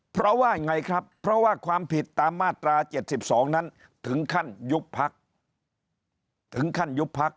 เพราะว่าอย่างไรครับเพราะว่าความผิดตามมาตรา๗๒นั้นถึงขั้นยุบพลักษณ์